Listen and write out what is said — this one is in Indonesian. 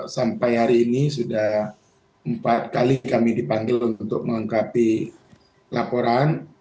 sampai hari ini sudah empat kali kami dipanggil untuk melengkapi laporan